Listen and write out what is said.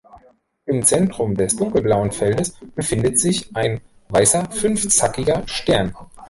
Im Zentrum des dunkelblauen Feldes befindet sich ein weißer, fünfzackiger Stern.